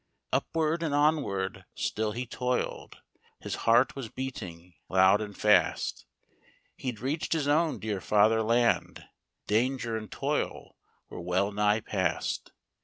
Upward and onward still he toil'd, His heart was beating loud and fast : He'd reach'd his own dear fatherland — Danger and toil were well nigh past.